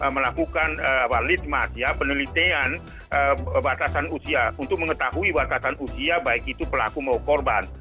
melakukan litmas ya penelitian batasan usia untuk mengetahui batasan usia baik itu pelaku maupun korban